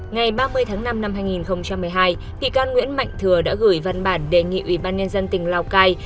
ngày ba mươi tháng năm năm hai nghìn một mươi hai bị can nguyễn mạnh thừa đã gửi văn bản đề nghị ủy ban nhân dân tỉnh lào cai